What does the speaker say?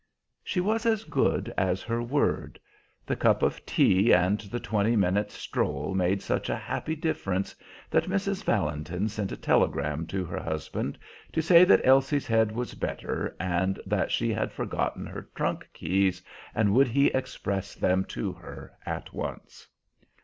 She was as good as her word. The cup of tea and the twenty minutes' stroll made such a happy difference that Mrs. Valentin sent a telegram to her husband to say that Elsie's head was better and that she had forgotten her trunk keys, and would he express them to her at once.